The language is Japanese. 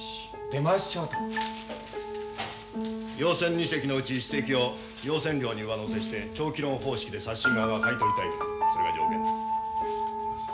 用船２隻のうち１隻を用船料に上乗せして長期ローン方式でサッシン側が買い取りたいというそれが条件だ。